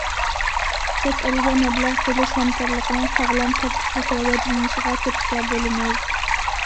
چەت ئەلگە مەبلەغ سېلىش ھەمكارلىقىنىڭ ساغلام، تەرتىپلىك راۋاجلىنىشىغا تۈرتكە بولىمىز.